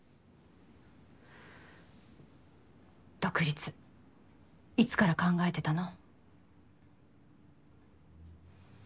独立いつから考えてたの？